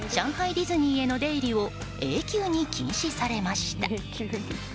ディズニーへの出入りを永久に禁止されました。